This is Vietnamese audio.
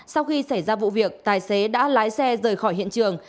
sau khi xảy ra vụ việc tài xế đã lái xe rời khỏi hiện trường